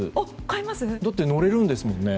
だって乗れるんですもんね。